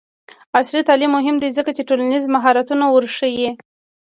عصري تعلیم مهم دی ځکه چې ټولنیز مهارتونه ورښيي.